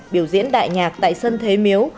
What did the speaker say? biểu diễn đại nhạc tại sân thế miếu